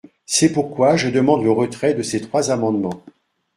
C’est pourquoi je demande le retrait de ces trois amendements.